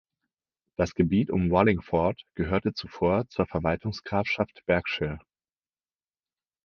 Das Gebiet um Wallingford gehörte zuvor zur Verwaltungsgrafschaft Berkshire.